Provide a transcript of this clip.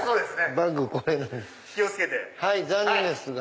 バッグこれなんで残念ですが。